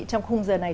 trong khung giờ này